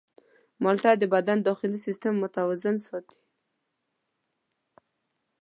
مالټه د بدن داخلي سیستم متوازن ساتي.